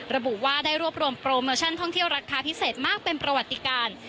ระบุว่าได้รวบรวมโปรโมชั่นท่องเที่ยวราคาพิเศษมากเป็นประวัติการ